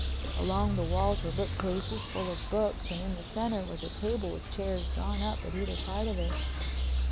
Along the walls were bookcases full of books and in the center was a table with chairs drawn up at either side of it.